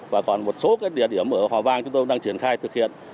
và còn một số địa điểm ở hòa vang chúng tôi đang triển khai thực hiện